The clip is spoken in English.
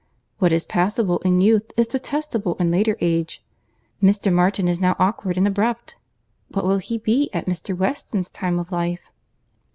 What is passable in youth is detestable in later age. Mr. Martin is now awkward and abrupt; what will he be at Mr. Weston's time of life?"